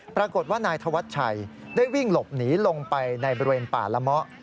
ปรากฏว่านายธวัชชัยได้วิ่งหลบหนีลงไปในบริเวณป่าละเมาะ